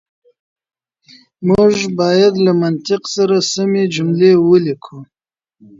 موږ بايد له منطق سره سمې جملې وليکو.